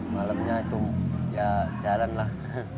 malamnya itu ya jarang lah